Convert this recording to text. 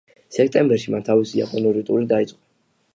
სექტემბერში მან თავისი იაპონური ტური დაიწყო.